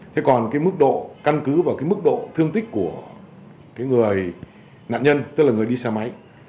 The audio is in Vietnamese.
thế còn cái mức độ căn cứ và cái mức độ thương tích của cái người nạn nhân tức là người đi xe máy